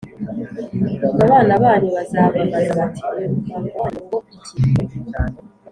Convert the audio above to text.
ubwo abana banyu bazababaza bati ‘Uyu muhango wanyu ni uwo iki